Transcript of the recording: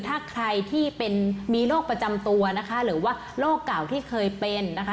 ถ้าใครที่เป็นมีโรคประจำตัวนะคะหรือว่าโรคเก่าที่เคยเป็นนะคะ